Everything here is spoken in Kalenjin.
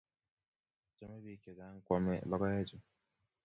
Chame piik chechang' kwamey logoek chu.